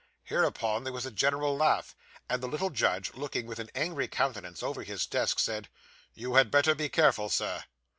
Hereupon there was a general laugh; and the little judge, looking with an angry countenance over his desk, said, 'You had better be careful, Sir.